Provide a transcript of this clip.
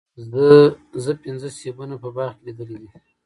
زه پنځه سیبونه په باغ کې لیدلي دي.